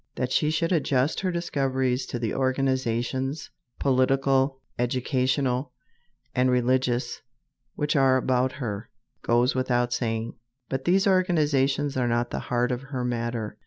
That she should adjust her discoveries to the organizations, political, educational, and religious, which are about her, goes without saying, but these organizations are not the heart of her matter.